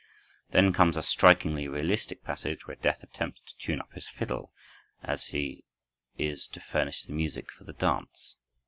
Then comes a strikingly realistic passage where Death attempts to tune up his fiddle, as he is to furnish the music for the dance.